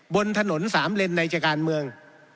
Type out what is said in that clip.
บนถนนสามเลนในจะการเมือง